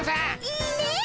いいねえ。